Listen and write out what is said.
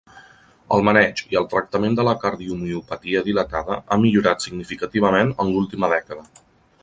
El maneig i el tractament de la cardiomiopatia dilatada ha millorat significativament en l'última dècada.